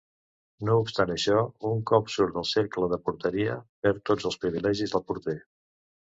No obstant això, un cop surt del cercle de porteria perd tots els privilegis de porter.